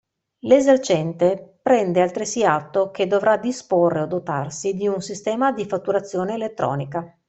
L'esercente prende altresì atto che dovrà disporre o dotarsi di un sistema di fatturazione elettronica.